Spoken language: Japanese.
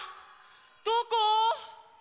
どこ？